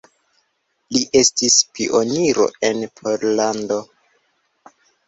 Li estis pioniro en Pollando.